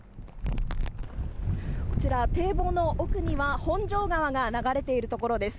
こちら、堤防の奥には本庄川が流れている所です。